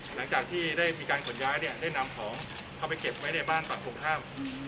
หลังจากที่ได้มีการขนย้ายเนี่ยได้นำของเข้าไปเก็บไว้ในบ้านฝั่งตรงข้าม